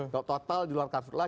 kalau total di luar kartulah